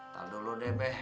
tau dulu deh be